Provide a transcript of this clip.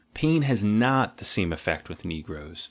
Pain has not the same effect with negroes.